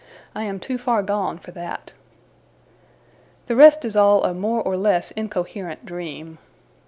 I am too far gone for that. The rest is all a more or less incoherent dream.